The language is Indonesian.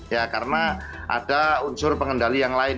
ya karena ada unsur pengendali yang lain